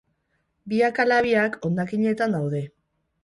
Biak ala biak, hondakinetan daude.